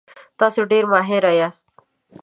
تاسو ډیر ماهر یاست.